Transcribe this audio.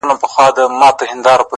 پاچا په خپلو لاسو بيا سپه سالار وتړی”